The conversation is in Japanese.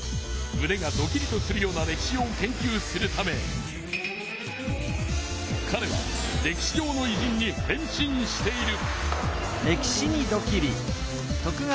むねがドキリとするような歴史を研究するためかれは歴史上のいじんに変身している。